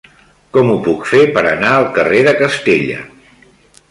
Com ho puc fer per anar al carrer de Castella?